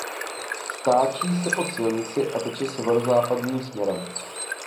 Stáčí se pod silnici a teče severozápadním směrem.